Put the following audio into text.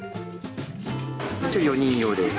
４人用です。